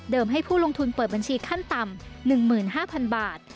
ให้ผู้ลงทุนเปิดบัญชีขั้นต่ำ๑๕๐๐๐บาท